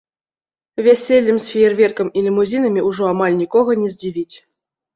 Вяселлем з феерверкам і лімузінамі ўжо амаль нікога не здзівіць.